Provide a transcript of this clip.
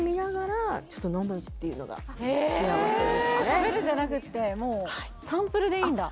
食べるんじゃなくってもうサンプルでいいんだ